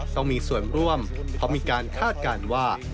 ต้องมีส่วนร่วมเพราะมีการคาดการณ์ว่า